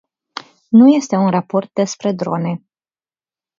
Nu este un raport despre drone.